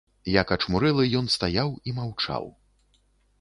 Як ачмурэлы ён стаяў і маўчаў.